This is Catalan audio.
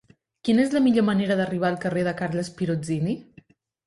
Quina és la millor manera d'arribar al carrer de Carles Pirozzini?